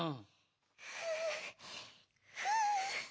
ふうふう。